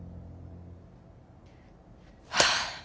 はあ！